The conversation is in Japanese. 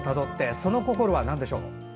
その心はなんでしょう？